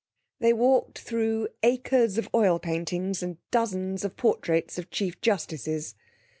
They walked through acres of oil paintings and dozens of portraits of Chief Justices.